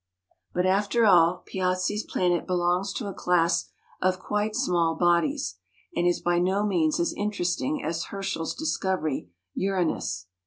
But after all, Piazzi's planet belongs to a class of quite small bodies, and is by no means as interesting as Herschel's discovery, Uranus.